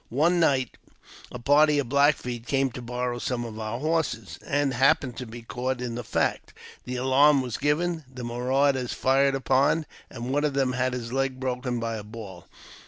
One night a party of Black Feet came to borrow some of our horses, and happened to be caught in the act. The alarm was given, the marauders fired upon, and one of them had his leg broken by a ball.